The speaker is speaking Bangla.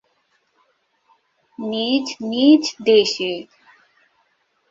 নিজ নিজ দেশে।